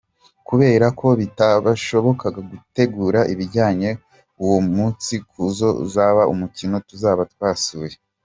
Kubera ko bitashoboka gutegura ibijyanye ‘uwo munsi kuko uzaba ari umukino tuzaba twasuye.